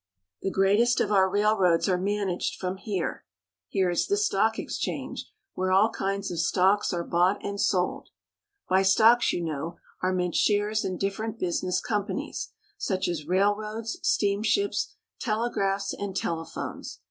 The greatest of our railroads are managed from here. Here is the Stock Exchange, where all kinds of stocks are bought and sold. By stocks, you know, are meant shares in different business companies, such as rail roads, steamships, telegraphs, and telephones.